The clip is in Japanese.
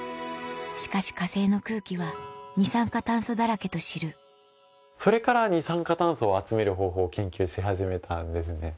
しかし火星の空気は二酸化炭素だらけと知るそれから二酸化炭素を集める方法を研究し始めたんですね。